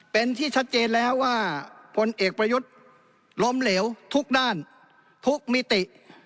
เป็นที่ชัดเจนแล้วว่าผลเอกประยุทธ์ล้มเหลวทุกด้านทุกมิติ